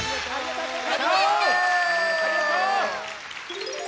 ありがとう。